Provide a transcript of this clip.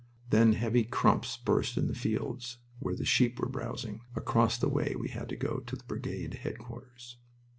Then heavy "crumps" burst in the fields where the sheep were browsing, across the way we had to go to the brigade headquarters.